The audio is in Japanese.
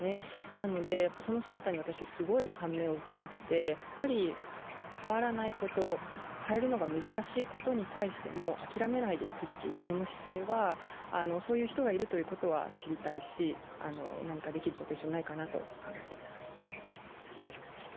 なので、その姿に私、すごい感銘を受けまして変わらないこと、変えるのが難しいことに対しても諦めないでいくという、その姿勢はそういう人がいるということは知りたいし、何かできることは一緒に、ないかなと考えています。